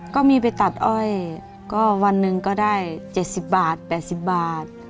ก็มีไปตัดอ้อยก็วันหนึ่งก็ได้๗๐บาท๘๐บาท